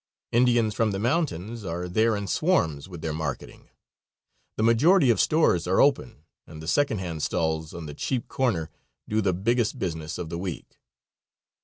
Indians, from the mountains, are there in swarms with their marketing. The majority of stores are open, and the "second hand" stalls on the cheap corner do the biggest business of the week.